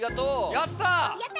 やった。